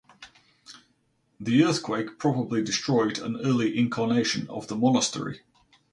The earthquake probably destroyed an early incarnation of the monastery.